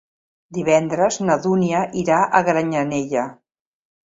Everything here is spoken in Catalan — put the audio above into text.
Divendres na Dúnia irà a Granyanella.